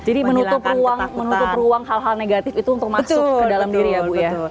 jadi menutup ruang hal hal negatif itu untuk masuk ke dalam diri ya bu ya